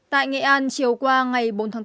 tại nghệ an chiều qua ngày bốn tháng bốn